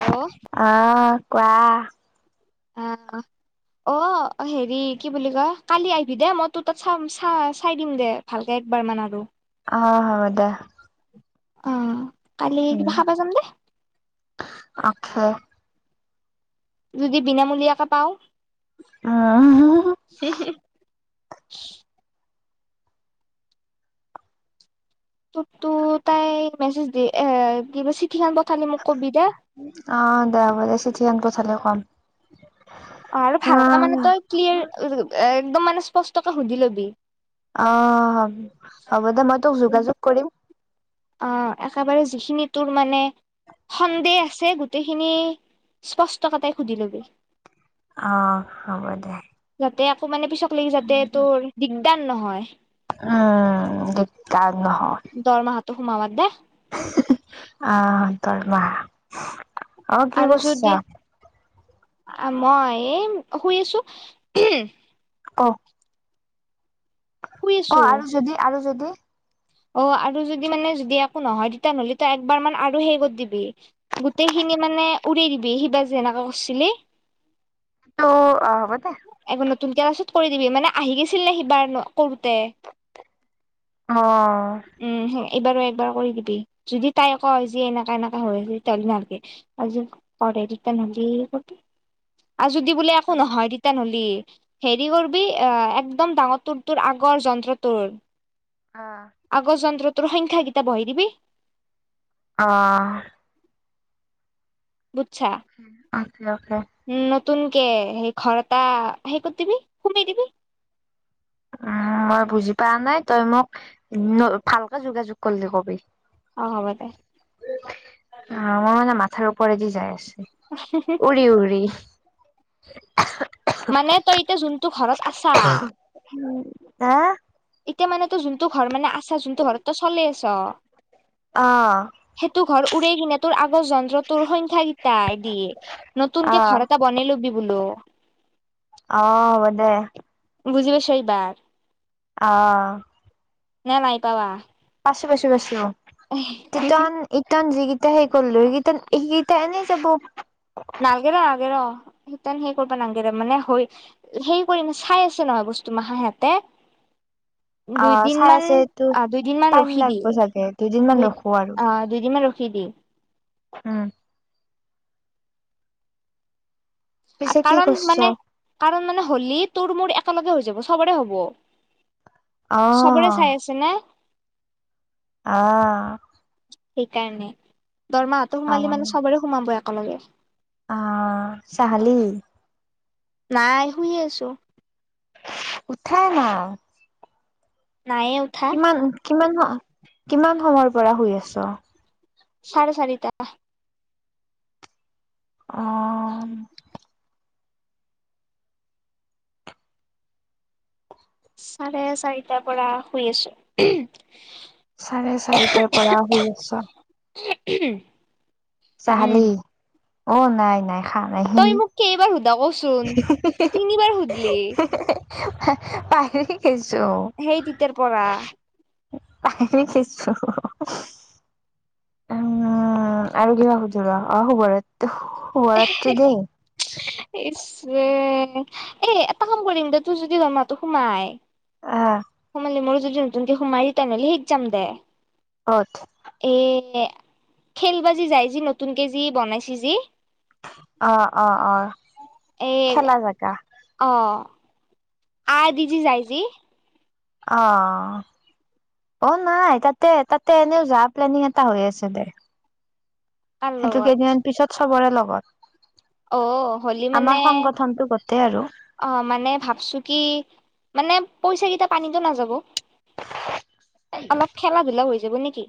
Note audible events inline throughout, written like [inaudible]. Hello. অ', -কোৱা? অ', -অ',। অ', হেৰি কি বুলি কয় কালি আহিবি দে মই তোৰ তা'ত চাম চা-চাই দিম দে। ভালকে একবাৰ মান আৰু। অঁ', -হ'ব দে। অ', কালি কিবা উম খাবা যাম দে। অ'কে। যদি বিনামূলীয়াকে পাওঁ। [unintelligible] [unintelligible] ত-তো তাই মেছেজ দি এ কিবা চিঠিখন পঠালি মোক কবি দে। অঁ', দে হ'ব দে, চিঠিখন পঠালে কম। অ' আৰু ভালকে মানে তই ক্লিয়াৰ একদম মানে স্পষ্টকে সুধি লবি। অঁ', হ'ব দে, মই তোক যোগাযোগ কৰিম। অঁ', একেবাৰে যিখিনি তোৰ মানে- সন্দেহ আছে গোটেইখিনি স্পষ্টকটাই সুধি লবি। অঁ', হ'ব দে। যাতে আকৌ মানে পিছক লকি যাতে তোৰ দিগদাৰ নহয়। উমঁ, দিকদাৰ নহয়। দৰমহাটো সোমাব দে। অঁ', দৰমহা। অ কি আৰু যদি, কৰিছা মই এই শুই আছো। [inaudible] শুই আছো অ', আৰু যদি, আৰু যদি অ' আৰু যদি মানে যদি একো নহয়, তেতিয়া নহ'লে তই একবাৰ মান আৰু হে কৰি দিবি। গোটেইখিনি মানে উৰে দিবি সিবাৰ যেনেকে এনেকুৱা কৰিছিলি। তো অ' হ'ব দে। এবাৰ নতুনকে ক্লাছত কৰি দিবি, মানে আহি গৈছিল নে সিবাৰ কৰোতে? অ'। উম, এইবাৰো একবাৰ কৰি দিবি, যদি তাই কয় যে এনেকা এনেকা হয় তেতিয়াহ'লে নালাগে। আজি পঢ়ে তিতা নহ'লে কবি, আৰু যদি বোলে একো নহয় অ বুলি হেৰি কৰিবি অ' একদম ডাঙৰ তোৰ তোৰ আগৰ যন্ত্ৰতোৰ আগৰ যন্ত্ৰটোৰ সংখ্যা কেইতা বহি দিবি। অঁ। বুজছা অ'কে অ'কে। উম, নতুনকে ঘৰ এটা সে কৰি দিবি সুমাই দিবি। উম, মই বুজি পোৱা নাই তই মোক ভালকে যোগাযোগ কৰিলি কবি। অঁ হব দে। অঁ মোৰ মানে মাথাৰ ওপৰেদি যাই আছে। [unintelligible] উৰি উৰি। মানে তই এতিয়া যোনটো ঘৰত আছা। হা'? এতিয়া মানে তোৰ যোনটো ঘৰ মানে আছা যোনটো ঘৰত তোৰ চলে আছ। অঁ। সেইটো ঘৰ উৰে কিনে তোৰ আগৰ যন্ত্ৰ তোৰ সংখ্যা কেইটাই দিয়ে অ নতুনকে ঘৰ এটা বনাই লবি বোলো। অঁ হ'ব দে। বুজি পাইছ এইবাৰ? অঁ। নে নাই পাৱা? পাইছোঁ পাইছোঁ পাইছোঁ, তিতান ইটান যিকেইটা সেই কৰিলোঁ সেইকেইটা এইকেইটা এনেই যাব। নালাগে ৰ নালাগে ৰ, সিতেন সেই কৰিবা নালাগে ৰ মানে হৈ সেই কৰিম চাই আছে নহয় বস্তু মাষা সিহঁতে। অ চাই দুইদিনমান আছে এইটো অ' দুইদিনমান টাইম ৰখি দি লাগব চাগে দুদিন মান দুই ৰখো আৰু অ' দুইদিনমান ৰখি দি। উম। পিছে কি কাৰণ কৰছ মানে, কাৰণ মানে হলি তোৰ মোৰ একেলগে হৈ যাব চবৰে হ'ব। অঁ। চবৰে চাই আছে নে? অঁ। সেইকাৰণে, দৰমাহাটো আহ সোমালি মানে চবৰে সোমাব একেলগে। অঁ চাহ খালি? নাই শুই আছো। উঠাই নাই? নাইয়ে কিমান কিমান সম কিমান সময়ৰ পৰা শুই আছ? চাৰে চাৰিটাতাপা। অঁ। চাৰে চাৰিটাৰ পৰা শুই আছো। চাৰে চাৰিতাৰ পৰা শুই আছা। [unintelligible] চাহ উম খালি? অ নাই নাই খাৱা নাই তই হেই। মোক কেইবাৰ সোধা কচোন? তিনিবাৰ সুধলি। পাহৰি গিছো। সেই তেতিয়াৰ পৰা। পাহৰি গিছো। উম্ আৰু কিবা সুধ অ শুভৰাত শুভৰাত্ৰি দেই। ইচ্ ৰে! এ এটা কাম কৰিম দে তোৰ যদি দৰমাহটো সোমাই আহ্ সোমালে মোৰ যদি নতুনক সোমাই তেনহ'লে শিক যাম দে। কঠ এই খেলিবা যে যায় যে নতুনকে যি বনাইছে যি অ অ অ। খেলা জেগা। অ্ আই দিজি যাই যি অ্ঁ অ নাই তাতে তাতে এনেও যাৱা প্লেনিং এটা হৈ আছে দে। তাৰ সেইটো লগত কেইদিনমান পিছত চবৰে অ লগত হলি মানে আমাৰ সংগঠনটো গটেই আৰু অ মানে ভাবছো কি- মানে পইচা কেইটা পানীতো নাযাব। অলপ খেলা-ধূলা হৈ যাব নে কি?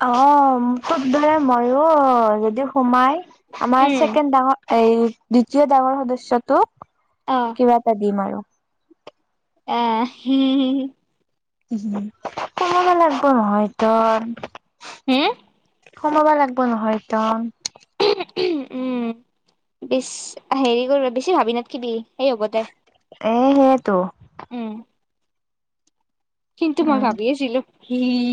অ্ঁ তুত দৰে ময়ো যদি সোমাই আমাৰ উম চেকেণ্ড ডাঙৰ এই দ্বিতীয় ডাঙৰ সদস্যটো অ কিবা এটা দিম আৰু। এহ হি হি হি হি। সুমাব লাগব নহয় ত'। হুম? সোমাবা লাগব নহয় একদম। উম', বিছ হেৰি কৰি বেছি ভাবি নাথকিবি, সেই হ'ব দে। এ্ সেইয়েতো। উম কিন্তু মই উম, ভাবি আছিলো, হি হি হি।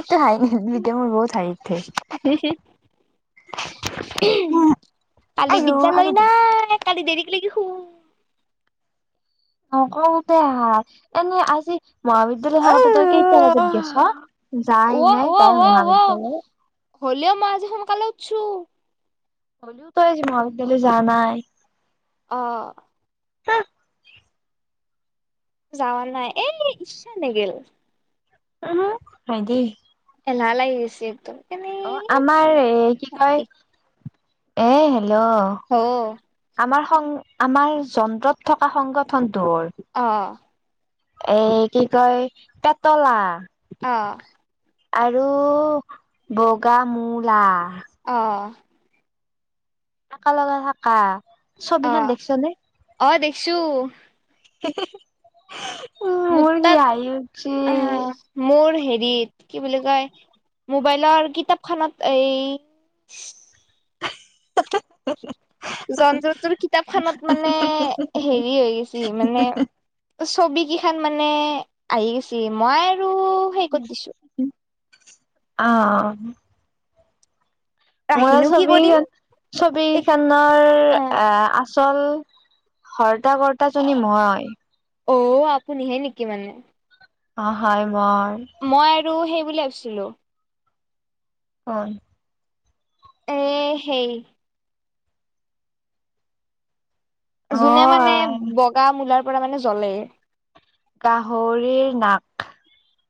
এটো হাঁহি এটো মোৰ বহুত হাঁহি উঠে। কালি আইও বিদ্যালয় আৰু দে নাই! কালি দেৰিক লেগি শুম! [unintelligible] তেনে আজি মহা বিদ্যায়ালয় আহ থাকতে তই কেইটা বজাত গেছা? যাই অ নাই অ তাই অ অ মহাবিদ্যালয়। হলেও মই আজি সোনকালে উঠছো। তই আজি মহাবিদ্যালয় যাৱা নাই। অ্। [unintelligible] যাৱা নাই এই ইচ্ছা নেগিল। হয় দেই! এলাহ লাগি গেছে একদম কেনে অ আমাৰ এ কি কয় এ হেল্ল'? অহ। আমাৰ সং আমাৰ যন্ত্ৰত থকা সংগঠনটোৰ। অঁ। এ কি কয় পেতলা। অঁ। আৰু বগা মূলা। অঁ। থাকা লাগা থাকা অ ছবিখেন দেখছো নে? অ দেখছো। [unintelligible] মোৰ কি হাহি উঠছি। আহ মোৰ হেৰিত কি বুলি কয়? মোবাইলৰ কিতাপখনত এই ইচ [unintelligible] যন্তটোৰ কিতাপখনত মানে হেৰি হৈ গৈছি মানে এ ছবিকিখান মানে আহি গৈছি, মই আৰু হেৰি কৰি দিছো। উ আহ। মোৰ ৰাখিনো কি ছবিখ কৰিম এক ছবিখনৰ অ এ আচল শৰ্তা কৰ্তাজনি মই। অ আপুনিহে নেকি মানে? অ হয় মই। মই আৰু সেই বুলি ভাবিছিলোঁ। হয়। এই হেৰি অ যোনে মানে বগা মূলাৰ পৰা মানে জ্বলে। গাহৰিৰ নাক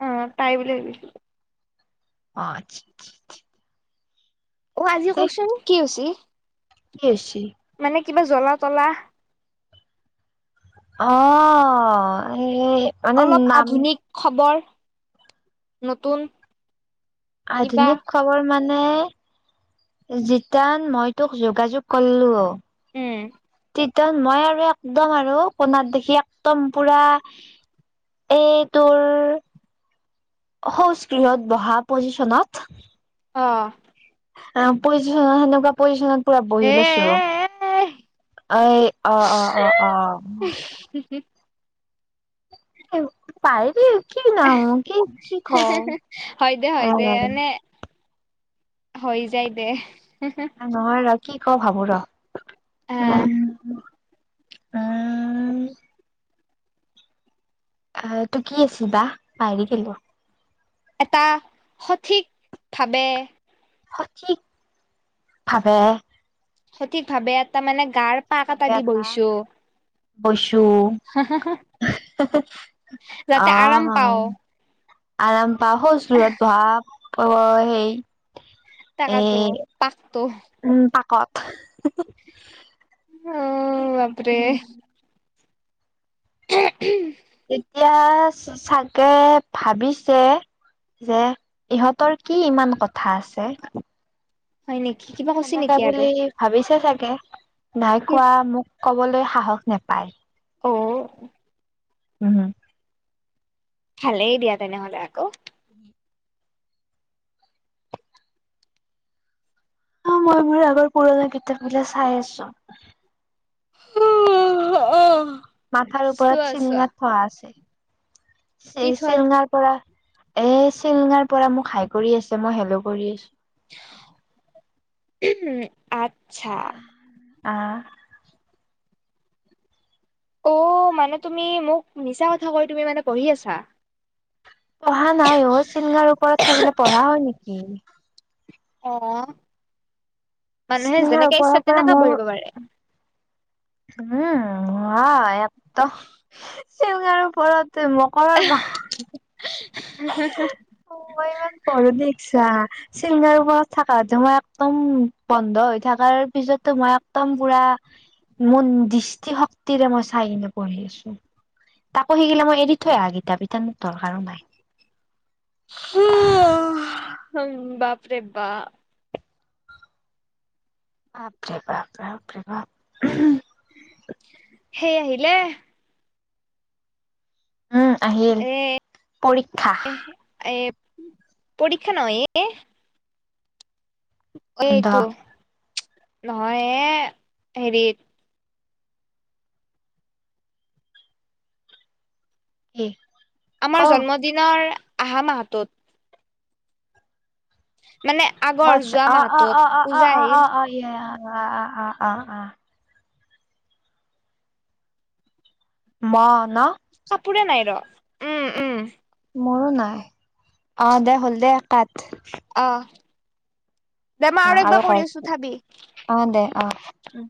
উম তাই বুলি বুলি পাঁচ অ আজি কচোন কি হৈছি? কি হৈছি? মানে কিবা জ্বলা তলা। অ সেই সেই সে অলপ আধুনিক খবৰ নতুন। কিবা আধুনিক খবৰ মানে জিতান মই তোক যোগাযোগ কৰলো উম। কীৰ্তন মই আৰু একদম আৰু কণাত দেখি একদম পুৰা এই তোৰ শৌচ গৃহত বহা পজিশনত অঁ। অ পজিছনত সেনেকুৱা পজিছনত পুৰা এ বহি লৈছো। আৰু এই অ অ অ অ। [unintelligible] [unintelligible] পাইৰি কি কি নাম কি কি কও হয় দে হয় দে [unintelligible] মানে হৈ যায় দে হে হে - নহয় ৰহ কি কও ভাবো ৰহ আহ ওম- ওম - তোৰ কি চিধা পাহৰি গেলোঁ। এটা সঠিক ভাবে- সঠিক ভাৱে- সঠিক ভাৱে এটা মানে গাৰ পাক এটা দি বহিছোঁ। বইছোঁ যাতে আৰাম অঁ পাও - আৰাম পাওঁ শৌচৰত ভাব পই সেই- তাকাতো পাকটো- উমঁ পাকত। উমঁ বাপৰে- উম এহে ওমো- তেতিয়া চাগে ভাবিছে- যে ইহঁতৰ কি ইমান কথা আছে- হয় নেকি কিবা কৈছে সেনেকে নেকি আৰু বুলি ভাবিছে চাগে নাই কি কোৱা মোক। ক'বলৈ সাহস নাপায়। অহ- উমঁ! ভালেই দিয়া তেনেহলে আকৌ। অ মই মোৰ আগৰ পুৰণা কিতাপ বিলাক চাই আছোঁ। মাথাৰ চোৱা ওপৰত চোৱা চিঙঙাত থোৱা আছে। কি থোৱা চিলঙাৰ পৰা এ চিলঙাৰ পৰা মোক হাই কৰি আছে মই হেলৌ কৰি আছো। ওম আচ্ছা। আহ। অঁ' মানে তুমি মোক মিছা কথা কয় তুমি মানে পঢ়ি আছা। পঢ়া নাই অঁ চিলঙাৰ ওপৰত থাকিলে পঢ়া হঁয় নেকি। অঁ মানুহে চিলঙাৰ যেনেকে ওপৰৰ ইচ্ছা পৰা তেনেককাা বঢ়িব পাৰে। উমঁ হয় এট চিউল কাৰৰ ওপৰতে মকৰৰ বাহ। [unintelligible] অঁ মই ইমান পঢ়ো দেখছা। চিংগাৰ ওপৰত থাকা তোমা একদম বন্ধ হৈ থকাৰ পিছতো মই একদম পুৰা। মোৰ দৃষ্টি শক্তিৰে মই চাই কিনে পঢ়িছো। তাকো শিকিলে মই এৰি থৈ আহা কিতাপ এতিয়ানো দৰকাৰো নাই। হোম উমঁ বাপৰে বাপ। বাপৰি বাপ বাপৰিবা ওহো- সেই আহিলে। উমঁ! এ এ পৰীক্ষা নহয় এ। বন্ধ এইটো নহয়ে হেৰি। কি আমাৰ অ জন্মদিনৰ আহা মাহটোত। মানে- আগৰ মৱচ যোৱা অঁ অঁ মাহটোত অঁ অঁ অঁ অঁ পূজা অঁ আহিল অঁ অঁ ইয়া ইয়া আহ আহ আহ। মহ ন। কাপোৰে নাই ৰহ উমঁ উমঁ। মোৰো নাই। অঁ দে হ'ল দে কাট। অঁ! দে অ মই আৰু একবাৰ কৰ কৰি আছোঁ চাবি অ দে অ উম।